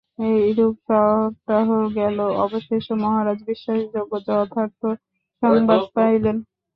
এইরূপে সপ্তাহ গেল, অবশেষে মহারাজ বিশ্বাসযোগ্য যথার্থ সংবাদ পাইলেন।